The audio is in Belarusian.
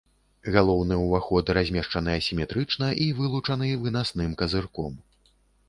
Галоўны ўваход размешчаны асіметрычна і вылучаны вынасным казырком.